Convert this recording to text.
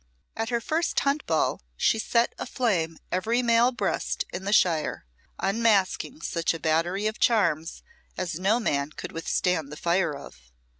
At her first hunt ball she set aflame every male breast in the shire, unmasking such a battery of charms as no man could withstand the fire of.